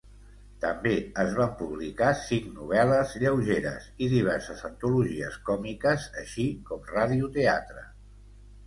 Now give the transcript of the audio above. També es van publicar cinc novel·les lleugeres i diverses antologies còmiques, així com radio-teatre.